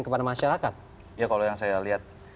kepada masyarakat ya kalau yang saya lihat